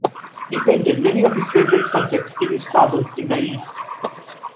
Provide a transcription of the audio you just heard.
He painted many of his favourite subjects in his travels in the East.